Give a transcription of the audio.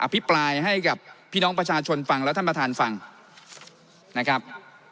พิปรายให้กับพี่น้องประชาชนฟังแล้วท่านประธานฟังนะครับ